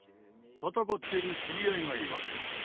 戦っている知り合いがいます。